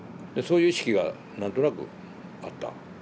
そういう意識が何となくあった。